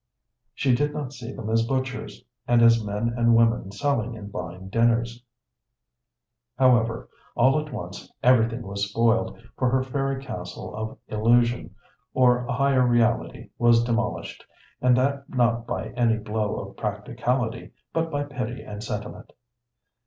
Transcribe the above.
She did not see them as butchers, and as men and women selling and buying dinners. However, all at once everything was spoiled, for her fairy castle of illusion or a higher reality was demolished, and that not by any blow of practicality, but by pity and sentiment.